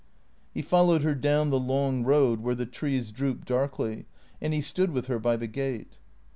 He followed her down the long road where the trees drooped darkly, and he stood with her by the gate.